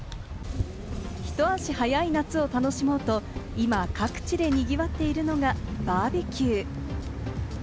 ひと足早い夏を楽しもうと、今、各地で賑わっているのがバーベキュー。